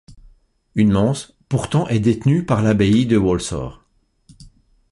Une manse pourtant est détenue par l’abbaye de Waulsort.